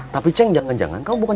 tapi ceng jangan jangan kamu bukan